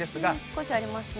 少しありますね。